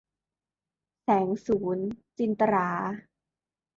แสงสูรย์ - จินตะหรา